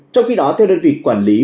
trong khi đó theo đơn vị quản lý